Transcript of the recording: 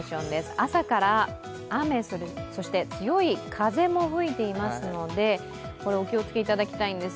朝から雨、強い風も吹いていますのでお気をつけいただきたいんです